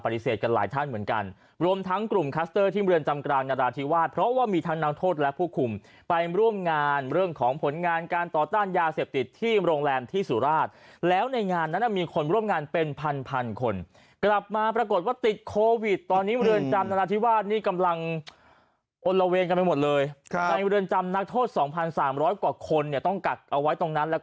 กันหลายท่านเหมือนกันรวมทั้งกลุ่มคัสเตอร์ที่เมืองจำกลางนราธิวาสเพราะว่ามีทั้งนักโทษและผู้คุมไปร่วมงานเรื่องของผลงานการต่อต้านยาเสพติดที่โรงแรมที่สุราชแล้วในงานนั้นมีคนร่วมงานเป็นพันพันคนกลับมาปรากฏว่าติดโควิดตอนนี้เรือนจำนราธิวาสนี่กำลังอลละเวงกันไปหมดเลยในเรือนจำนักโทษ๒๓๐๐กว่าคนเนี่ยต้องกักเอาไว้ตรงนั้นแล้ว